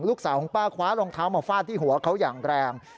ลูกสาวของป้าคว้ารองเท้ามาฟาดที่หัวเขาอย่างแรง